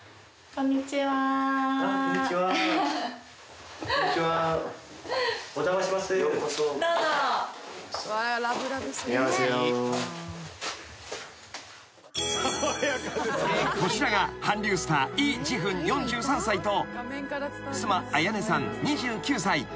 ［こちらが韓流スターイ・ジフン４３歳と妻彩音さん２９歳］